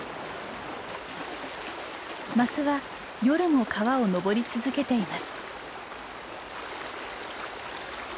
マスは夜も川を上り続けています。